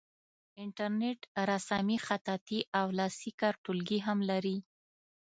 انټرنیټ رسامي خطاطي او لاسي کار ټولګي هم لري.